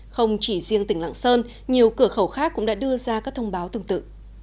không chỉ riêng tỉnh lạng sơn nhiều cửa khẩu khác cũng đã đưa ra các thông báo tương tự